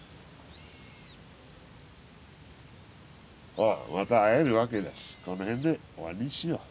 まあまた会えるわけだしこの辺で終わりにしよう。